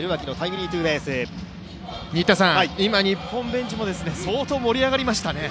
今、日本ベンチも相当盛り上がりましたね。